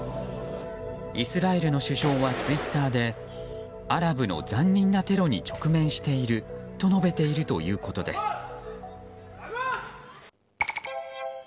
イスラエルの首相はツイッターでアラブの残忍なテロに直面していると述べているということです。